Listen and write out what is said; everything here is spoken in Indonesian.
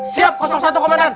siap satu komandan